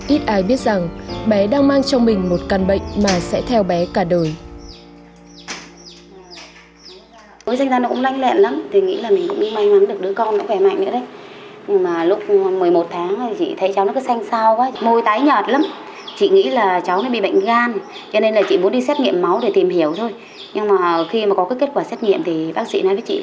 ít ai biết rằng bé đang mang cho mình một căn bệnh mà sẽ theo bé cả đời